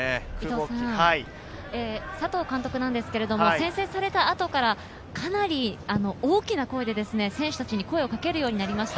佐藤監督は、先制された後から、かなり大きな声で選手達に声をかけるようになりました。